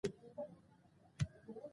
د سیرټونین کچه په رمضان کې لوړېږي.